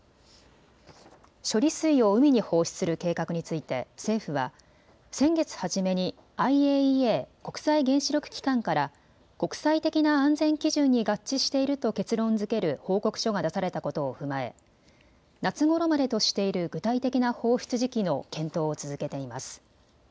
処理水を海に放出する計画について政府は先月初めにＩＡＥＡ・国際原子力機関から国際的な安全基準に合致していると結論づける報告書が出されたことを踏まえ夏ごろまでとしている具体的な放出時期の検討を続けています。